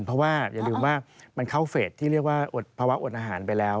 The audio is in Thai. เพราะว่าอย่าลืมว่ามันเข้าเฟสที่เรียกว่าอดภาวะอดอาหารไปแล้ว